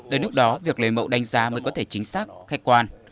đến lúc đó việc lấy mẫu đánh giá mới có thể chính xác khách quan